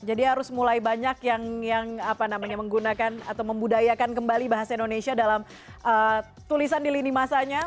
jadi harus mulai banyak yang apa namanya menggunakan atau membudayakan kembali bahasa indonesia dalam tulisan di lini masanya